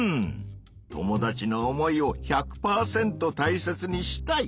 友達の思いを１００％たいせつにしたい。